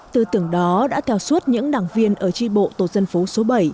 tư tưởng đó đã theo suốt những đảng viên ở tri bộ tổ dân phố số bảy